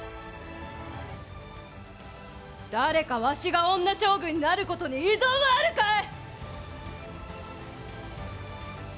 誰か、わしが女将軍になることに異存はあるかえ！